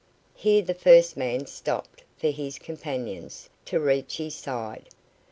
Here the first man stopped for his companions, to reach his side.